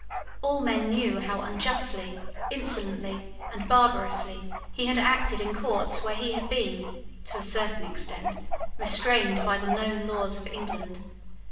All men knew how unjustly, insolently, and barbarously he had acted in courts where he had been, to a certain extent, restrained by the known laws of England.